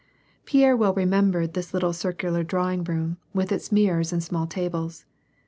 Pierre well remembered this little circular drawing room, with its mirrors and small tables.